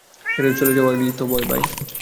চলে যাওয়ারই তো ভয়, বাই।